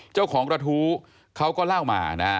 เจ้าของกระทู้เขาก็เล่ามานะ